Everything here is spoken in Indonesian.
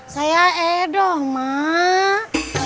saya eh dong mak